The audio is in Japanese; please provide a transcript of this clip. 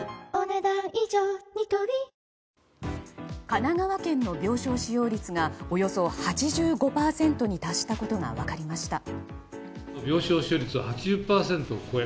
神奈川県の病床使用率がおよそ８５％に達したことが分かりました。